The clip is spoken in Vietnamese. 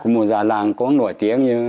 một gia làng cũng nổi tiếng như